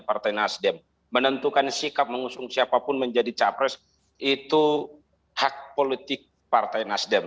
partai nasdem menentukan sikap mengusung siapapun menjadi capres itu hak politik partai nasdem